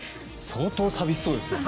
相当寂しそうでしたね。